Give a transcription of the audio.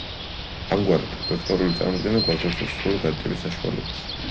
ამგვარად, ვექტორული წარმოდგენა გვაძლევს უსასრულო გადიდების საშუალებას.